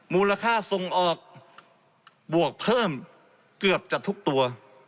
มูลค่าส่งออกบวกเพิ่มเกือบจะทุกตัว